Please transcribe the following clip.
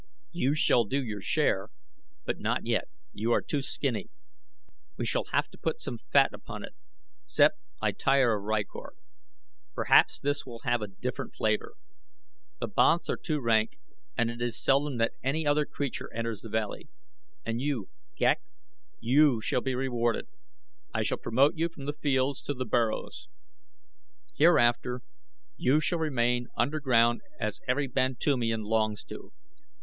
You shall do your share, but not yet you are too skinny. We shall have to put some fat upon it, Sept. I tire of rykor. Perhaps this will have a different flavor. The banths are too rank and it is seldom that any other creature enters the valley. And you, Ghek; you shall be rewarded. I shall promote you from the fields to the burrows. Hereafter you shall remain underground as every Bantoomian longs to.